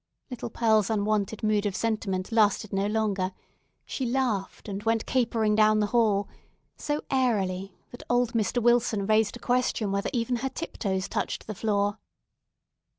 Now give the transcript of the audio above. Little Pearl's unwonted mood of sentiment lasted no longer; she laughed, and went capering down the hall so airily, that old Mr. Wilson raised a question whether even her tiptoes touched the floor.